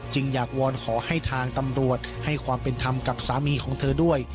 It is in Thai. อยากวอนขอให้ทางตำรวจให้ความเป็นธรรมกับสามีของเธอด้วย